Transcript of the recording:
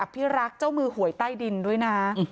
พี่รักษ์เจ้ามือหวยใต้ดินด้วยนะ